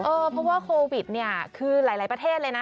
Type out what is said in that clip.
เพราะว่าโควิดเนี่ยคือหลายประเทศเลยนะ